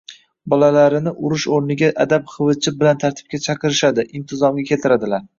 bolalarini urish o'rniga adab xivichi bilan tartibga chaqirishadi, intizomga keltiradilar.